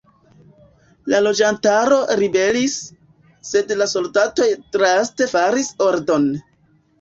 La loĝantaro ribelis, sed la soldatoj draste faris ordon.